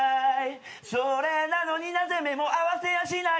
「それなのになぜ眼も合わせやしないん」